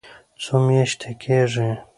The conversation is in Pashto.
څو میاشتې کیږي؟